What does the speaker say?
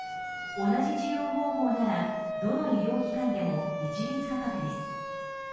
同じ治療方法ならどの医療機関でも一律価格です。